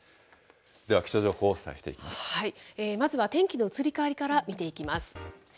では、気象情報をお伝えしていきまずは天気の移り変わりから見ていきます。